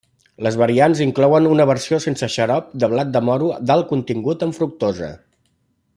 Les variants inclouen una versió sense xarop de blat de moro d'alt contingut en fructosa.